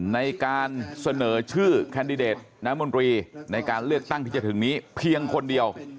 ในการเสนอชื่อแคนดิเดตน้ำมนตรีในการเลือกตั้งที่จะถึงนี้เพียงคนเดียว